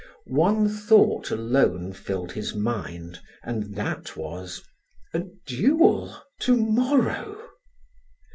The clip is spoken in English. One thought alone filled his mind and that was: a duel to morrow!